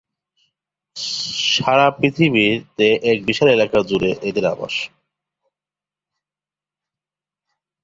সারা পৃথিবীতে এক বিশাল এলাকা জুড়ে এদের আবাস।